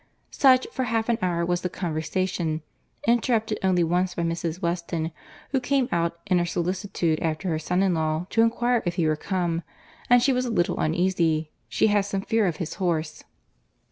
Such, for half an hour, was the conversation—interrupted only once by Mrs. Weston, who came out, in her solicitude after her son in law, to inquire if he were come—and she was a little uneasy.—She had some fears of his horse.